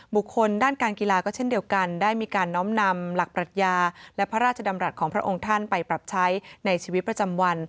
บุคคลด้านการกีฬาก็เช่นเดียวกันได้มีการน้อมนำหลักปรัชญาและพระราชดำรัฐของพระองค์ท่านไปปรับใช้ในชีวิตประจำวัน